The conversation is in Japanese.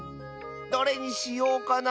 どれにしようかな？